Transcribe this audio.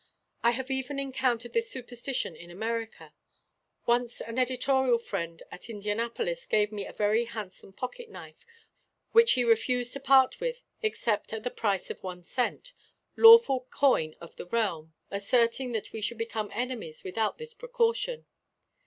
I have even encountered this superstition in America; once an editorial friend at Indianapolis gave me a very handsome pocket knife, which he refused to part with except at the price of one cent, lawful coin of the realm, asserting that we should become enemies without this precaution.